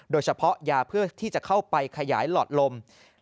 โดยเฉพาะยาเพื่อที่จะเข้าไปขยายหลอดลม